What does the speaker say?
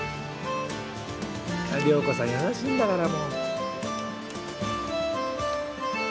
遼子さん優しいんだからもう。